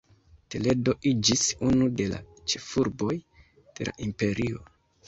Toledo iĝis unu de la ĉefurboj de la imperio.